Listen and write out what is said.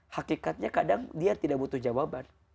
hakikatnya kadang dia tidak butuh jawaban